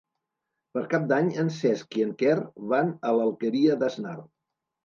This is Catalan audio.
Per Cap d'Any en Cesc i en Quer van a l'Alqueria d'Asnar.